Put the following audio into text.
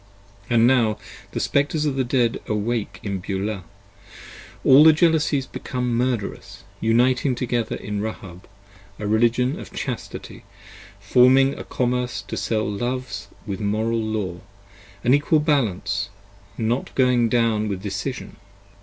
And now the Spectres of the Dead awake in Beulah : all The Jealousies become Murderous, uniting together in Rahab, A Religion of Chastity, forming a Commerce to sell Loves 35 With Moral Law, an Equal Balance, not going down with decision.